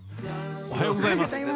おはようございます。